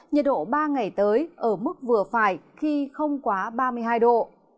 nhiệt độ ba ngày tới ở mức vừa phải khi không quá ba mươi hai độ